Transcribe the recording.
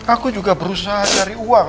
aku juga berusaha cari uang